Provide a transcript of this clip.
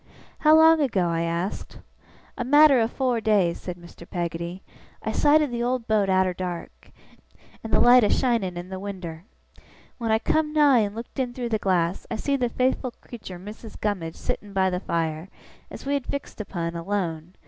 'How long ago?' I asked. 'A matter o' fower days,' said Mr. Peggotty. 'I sighted the old boat arter dark, and the light a shining in the winder. When I come nigh and looked in through the glass, I see the faithful creetur Missis Gummidge sittin' by the fire, as we had fixed upon, alone.